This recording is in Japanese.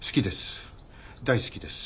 好きです。